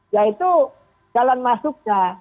yaitu jalan masuknya